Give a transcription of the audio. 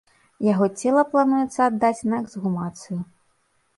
Яго цела плануецца аддаць на эксгумацыю.